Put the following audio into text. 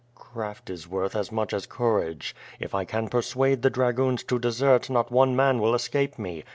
... "Craft is worth as much as courage. If I can persuade the dragoons to desert, not one man will escape me!